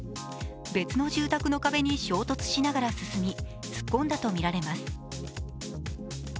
別の住宅の壁に衝突死ながら進み、突っ込んだとみられます。